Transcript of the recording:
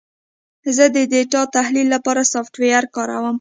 زه د ډیټا تحلیل لپاره سافټویر کاروم.